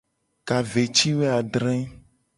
Ka ve ci wo adre.